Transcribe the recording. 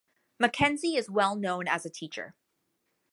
MacKenzie is well known as a teacher.